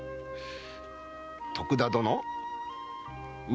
徳田殿上